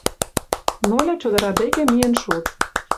Ноля чодыра деке миен шуыт.